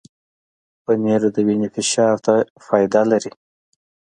پنېر د وینې فشار ته فایده لري.